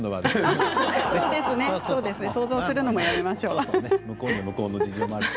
想像するのもやめましょう。